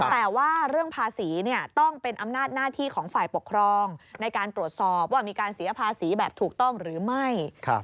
แต่ว่าเรื่องภาษีต้องเป็นอำนาจหน้าที่ของฝ่ายปกครองในการตรวจสอบว่ามีการเสียภาษีแบบถูกต้องหรือไม่